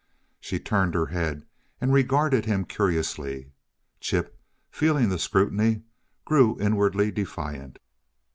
She turned her head and regarded him curiously, and Chip, feeling the scrutiny, grew inwardly defiant.